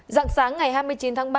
rạng sáng ngày hai mươi chín tháng ba